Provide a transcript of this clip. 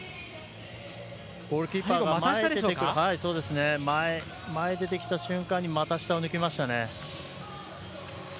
ゴールキーパーが前、出てきた瞬間に股下を抜きましたね。